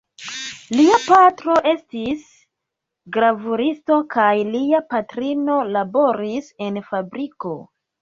Lia patro estis gravuristo kaj lia patrino laboris en fabriko.